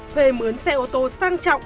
thuê mướn xe ô tô sang trọng